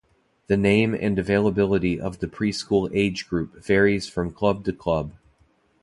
The name and availability of the preschool age group varies from club to club.